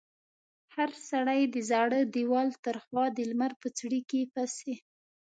هر سړي د زاړه دېوال تر خوا د لمر په څړیکې پسې.